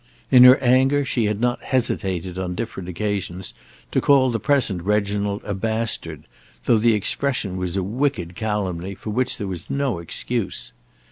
In her anger she had not hesitated on different occasions to call the present Reginald a bastard, though the expression was a wicked calumny for which there was no excuse.